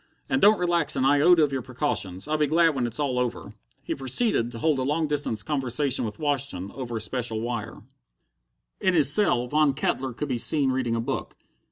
And don't relax an iota of your precautions. I'll be glad when it's all over." He proceeded to hold a long distance conversation with Washington over a special wire. In his cell, Von Kettler could be seen reading a book.